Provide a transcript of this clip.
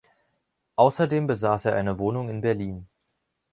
Außerdem besaß er eine Wohnung in Berlin.